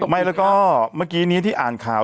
ไม่แล้วก็เมื่อกี้นี้ที่อ่านข่าว